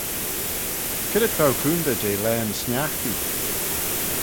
C'red t'ou coontey jeh laghyn sniaghtee?